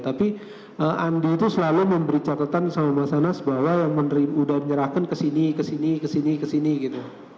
tapi andi itu selalu memberi catatan sama mas anas bahwa yang sudah menyerahkan kesini kesini kesini gitu